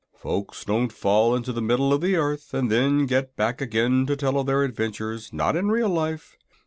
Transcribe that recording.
"Folks don't fall into the middle of the earth and then get back again to tell of their adventures not in real life.